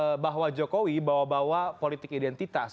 dengan memilih ma'ruf amin jelas bahwa jokowi bawa bawa politik identitas